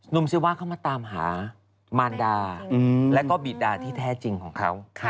ศิวะเข้ามาตามหามารดาแล้วก็บีดาที่แท้จริงของเขา